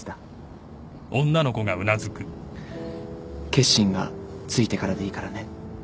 決心がついてからでいいからね。